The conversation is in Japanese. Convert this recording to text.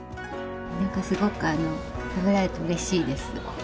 何かすごく食べられてうれしいです。